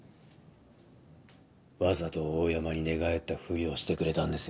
わざと大山に寝返った振りをしてくれたん